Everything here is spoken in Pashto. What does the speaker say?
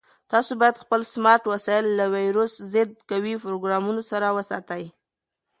تاسو باید خپل سمارټ وسایل له ویروس ضد قوي پروګرامونو سره وساتئ.